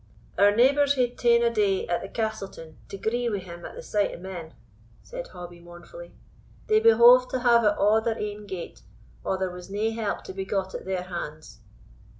"Our neighbours hae taen a day at the Castleton to gree wi' him at the sight o' men," said Hobbie, mournfully; "they behoved to have it a' their ain gate, or there was nae help to be got at their hands."